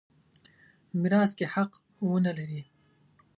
میراث کې حق ونه لري.